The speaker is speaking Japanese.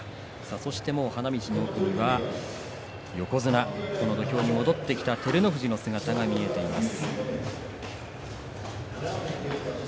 そして花道の奥には、もう横綱土俵に戻ってきた照ノ富士の姿が見えています。